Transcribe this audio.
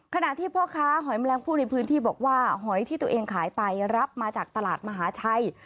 ขณะที่พ่อค้าหอยแมลงผู้ในพื้นที่บอกว่าหอยที่ตัวเองขายไปรับมาจากตลาดมหาชัย